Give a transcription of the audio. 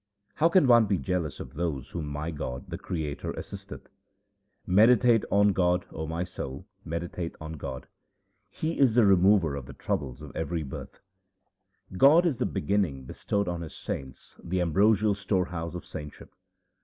How can one be jealous of those whom my God the Creator assisteth ? Meditate on God, O my soul, meditate on God ; He is the Remover of the troubles of every birth. God in the beginning bestowed on his saints the am brosial storehouse of saintship.